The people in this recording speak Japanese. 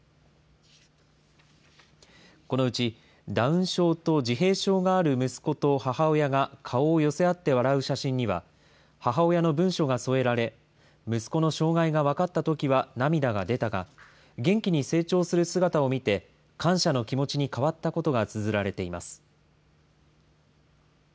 このうちダウン症と自閉症がある息子と母親が顔を寄せ合って笑う写真には、母親の文章が添えられ、息子の障害が分かったときは涙が出たが、元気に成長する姿を見て、感謝の気持ちに変わったことがつづられています。